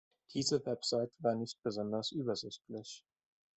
Diese Website war nicht besonders übersichtlich.